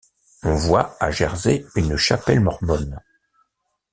On voit à Jersey une chapelle mormone.